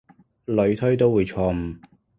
類推都會錯誤